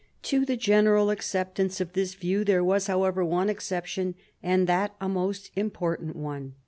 To the general acceptance of this view there was, however, one exception, and that a most important one.